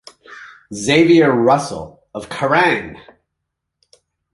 Xavier Russel of Kerrang!